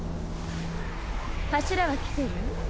柱は来てる？